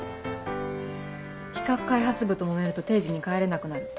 企画開発部ともめると定時に帰れなくなる。